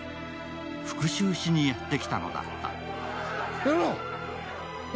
復讐しにやってきたのだった。